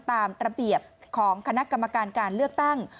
ตามระเบียบของคณะกรรมการการเลือกตั้ง